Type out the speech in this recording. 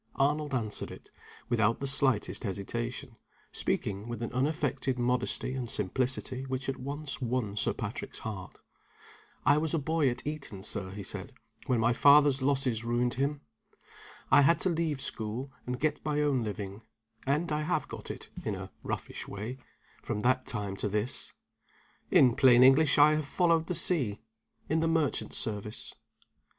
Arnold answered it, without the slightest hesitation; speaking with an unaffected modesty and simplicity which at once won Sir Patrick's heart. "I was a boy at Eton, Sir," he said, "when my father's losses ruined him. I had to leave school, and get my own living; and I have got it, in a roughish way, from that time to this. In plain English, I have followed the sea in the merchant service."